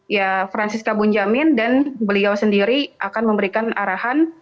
ya francisca bunjamin dan beliau sendiri akan memberikan arahan